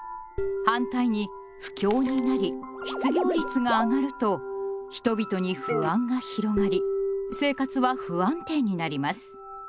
反対に不況になり失業率があがると人々に不安が広がり生活は不安定になります。